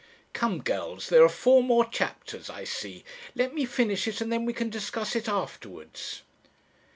'Come, girls, there are four more chapters, I see. Let me finish it, and then we can discuss it afterwards.'